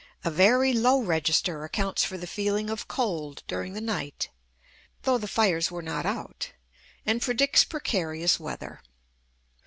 A very low register accounts for the feeling of cold during the night, though the fires were not out; and predicts precarious weather.